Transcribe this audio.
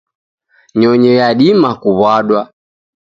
Nyonyi yadima kuw'adwa